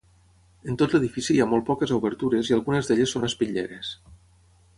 En tot l'edifici hi ha molt poques obertures i algunes d'elles són espitlleres.